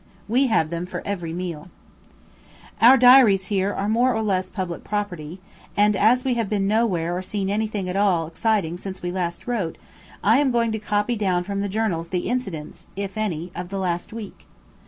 We have them for every meal. Our diaries here are more or less public property, and as we have been nowhere or seen anything at all exciting since we last wrote, I am going to copy down from the journals the incidents, if any, of the last week.